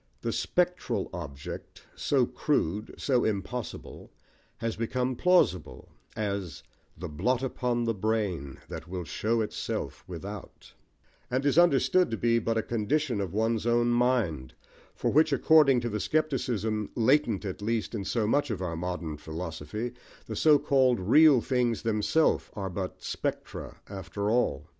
The spectral object, so crude, so impossible, has become plausible, as The blot upon the brain, That will show itself without; and is understood to be but a condition of one's own mind, for which, according to the scepticism, latent at least, in so much of our modern philosophy, the so called real things themselves are but spectra after all.